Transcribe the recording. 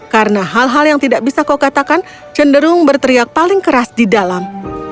karena hal hal yang tidak bisa kau katakan cenderung berteriak paling keras di dalam